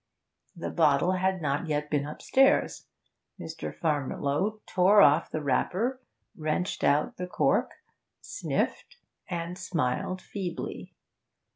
The bottle had not yet been upstairs. Mr. Farmiloe tore off the wrapper, wrenched out the cork, sniffed and smiled feebly.